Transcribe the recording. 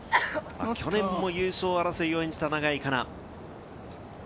去年も優勝争いを演じた永井花奈。